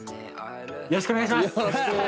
よろしくお願いします！